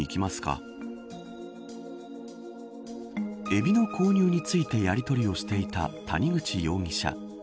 エビの購入についてやりとりをしていた谷口容疑者。